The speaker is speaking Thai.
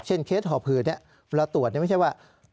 เช่นเคสหอผืดเราตรวจไม่ใช่ว่า